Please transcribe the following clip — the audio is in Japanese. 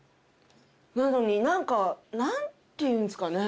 なのに何か何ていうんですかね。